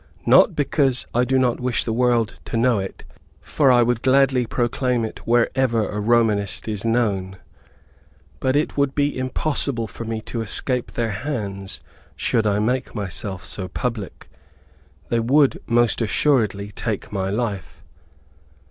Not because I do not wish the world to know it, for I would gladly proclaim it wherever a Romanist is known, but it would be impossible for me to escape their hands should I make myself so public. They would most assuredly take my life."